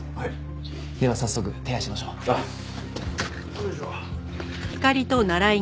よいしょ。